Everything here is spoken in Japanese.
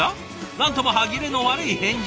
何とも歯切れの悪い返事。